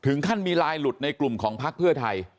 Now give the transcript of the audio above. ถึงขั้นมีลายหลุดในกลุ่มของภักดิ์เพื่อไทย